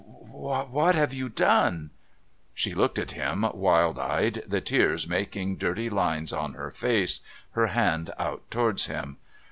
What have you done?" She looked up at him wild eyed, the tears making dirty lines on her face, her hand out towards him.